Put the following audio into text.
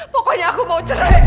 pokoknya aku mau cerai